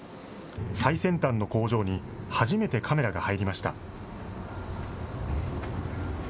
最先端の工場に初めてカメラが入りました。